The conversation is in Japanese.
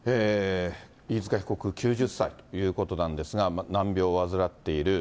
飯塚被告９０歳ということなんですが、難病を患っている。